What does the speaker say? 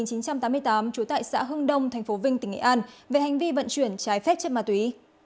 sinh năm một nghìn chín trăm tám mươi tám trú tại xã hưng đông tp vinh tỉnh nghệ an về hành vi vận chuyển trái phép chất ma túy